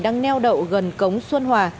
đang neo đậu gần cống xuân hòa